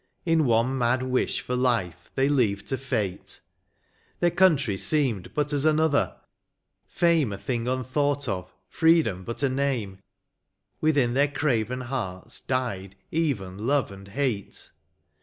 In one mad wish for life they leave to fate ; Their country seemed hut as another — fame A thing unthought of— freedom but a name ; Within their craven hearts died even love and hate.